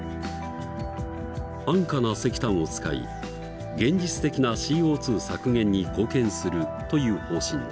安価な石炭を使い現実的なＣＯ削減に貢献するという方針だ。